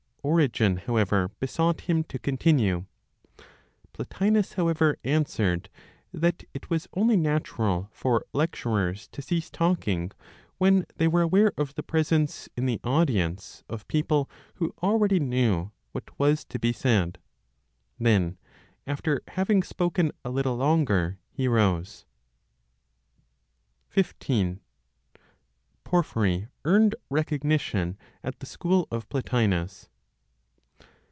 Origen, however, besought him to continue. Plotinos, however, answered that it was only natural for lecturers to cease talking when they were aware of the presence, in the audience, of people who already knew what was to be said. Then, after having spoken a little longer, he rose. XV. PORPHYRY EARNED RECOGNITION AT THE SCHOOL OF PLOTINOS.